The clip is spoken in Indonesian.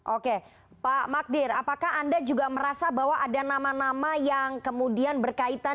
oke pak magdir apakah anda juga merasa bahwa ada nama nama yang kemudian berkaitan